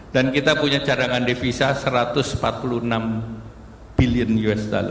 dan kita punya cadangan devisa satu ratus empat puluh enam billion usd